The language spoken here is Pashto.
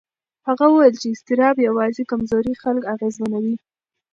هغه وویل چې اضطراب یوازې کمزوري خلک اغېزمن کوي.